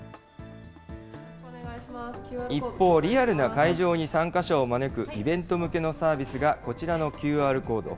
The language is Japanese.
一方、リアルな会場に参加者を招くイベント向けのサービスがこちらのＱＲコード。